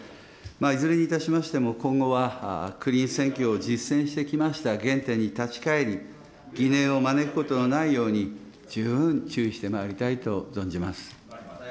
いずれにいたしましても、今後はクリーン選挙を実践してきました原点に立ち返り、疑念を招くことのないように、十分注意してまいりたいと存じます。